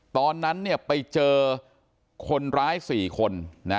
ตอนนั้นไปเจอคนร้าย๔คน